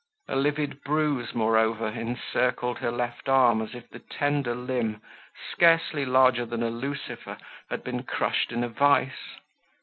A livid bruise, moreover, encircled her left arm, as if the tender limb, scarcely larger than a lucifer, had been crushed in a vise.